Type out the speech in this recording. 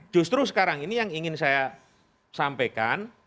justru sekarang ini yang ingin saya sampaikan